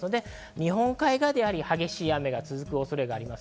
日本海側で激しい雨が続く恐れがあります。